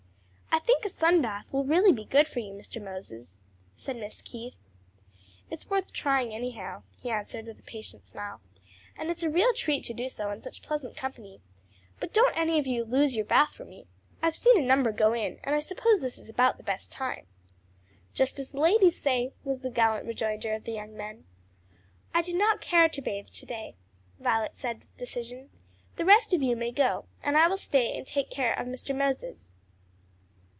"I think a sunbath will really be good for you, Mr. Moses," said Miss Keith. "It's worth trying anyhow," he answered, with a patient smile. "And it's a real treat to do so in such pleasant company. But don't any of you lose your bath for me. I've seen a number go in, and I suppose this is about the best time." "Just as the ladies say," was the gallant rejoinder of the young men. "I do not care to bathe to day," Violet said with decision. "The rest of you may go, and I will stay and take are of Mr. Moses."